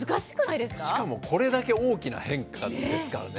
しかもこれだけ大きな変化ですからね